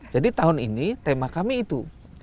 jadi tahun ini tema kami itu